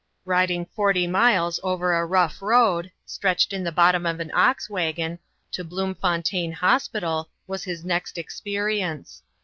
Riding forty miles over a rough road, stretched in the bottom of an ox wagon, to Bloemfontein Hospital, was his next experience.